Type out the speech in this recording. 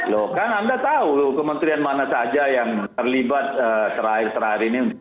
loh kan anda tahu loh kementerian mana saja yang terlibat terakhir terakhir ini